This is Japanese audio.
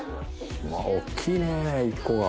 大っきいね１個が。